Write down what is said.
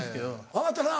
分かったな？